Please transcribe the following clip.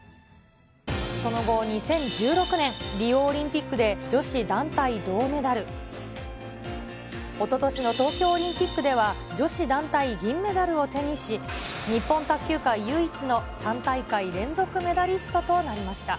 その後、２０１６年、リオオリンピックで女子団体銅メダル、おととしの東京オリンピックでは、女子団体銀メダルを手にし、日本卓球界唯一の３大会連続メダリストとなりました。